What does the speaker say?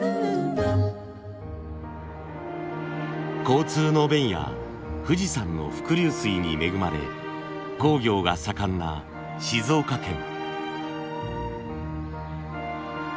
交通の便や富士山の伏流水に恵まれ工業が盛んな静岡県。